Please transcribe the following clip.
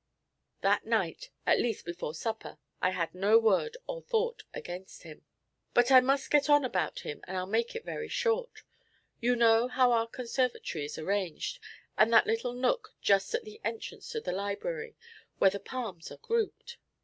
That night, at least before supper, I had no word or thought against him. 'But I must get on about him, and I'll make it very short. You know how our conservatory is arranged, and that little nook just at the entrance to the library, where the palms are grouped?